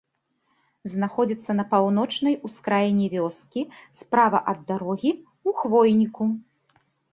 Знаходзіцца на паўночнай ускраіне вёскі, справа ад дарогі, у хвойніку.